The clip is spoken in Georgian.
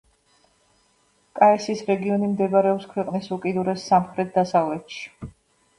კაესის რეგიონი მდებარეობს ქვეყნის უკიდურეს სამხრეთ-დასავლეთში.